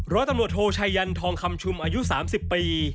ร้อยตำรวจโทชัยยันทองคำชุมอายุ๓๐ปี